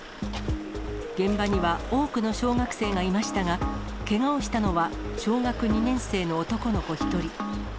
現場には、多くの小学生がいましたが、けがをしたのは小学２年生の男の子１人。